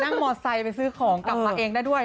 มอไซค์ไปซื้อของกลับมาเองได้ด้วย